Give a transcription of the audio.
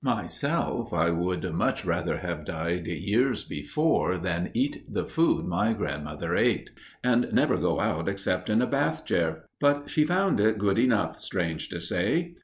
Myself I would much rather have died years before than eat the food my grandmother ate, and never go out except in a bath chair; but she found it good enough, strange to say.